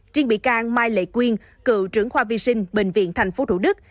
triên bị can mai lệ quyên cựu trưởng khoa vi sinh bệnh viện tp thủ đức